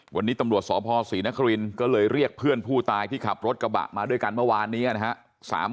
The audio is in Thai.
วันนี้ตำรวจสพศรีนครินก็เลยเรียกเพื่อนผู้ตายที่ขับรถกระบะมาด้วยกันเมื่อวานนี้นะครับ